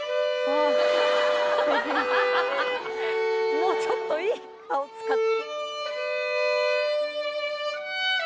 もうちょっといい顔使って。